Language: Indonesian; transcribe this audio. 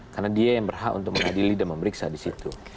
karena dia yang berhak untuk mengadili dan memeriksa disitu